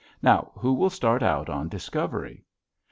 Now, who will start out on discovery?'